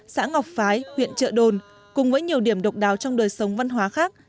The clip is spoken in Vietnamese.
xã ngọc phái huyện trợ đồn cùng với nhiều điểm độc đáo trong đời sống văn hóa khác